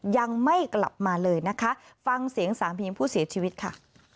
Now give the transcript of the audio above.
ยังไม่กลับมาเลยนะคะฟังเสียงสามีผู้เสียชีวิตค่ะ